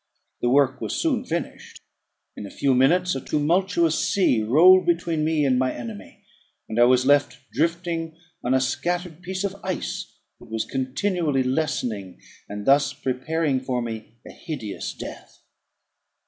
The work was soon finished: in a few minutes a tumultuous sea rolled between me and my enemy, and I was left drifting on a scattered piece of ice, that was continually lessening, and thus preparing for me a hideous death.